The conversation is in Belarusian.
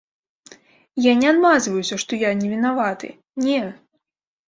Я не адмазваюся, што я не вінаваты, не.